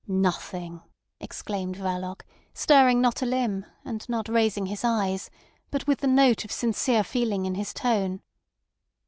"Nothing!" exclaimed Verloc, stirring not a limb, and not raising his eyes, but with the note of sincere feeling in his tone.